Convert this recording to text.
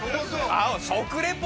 食レポ！